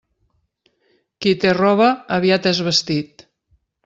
Qui té roba, aviat és vestit.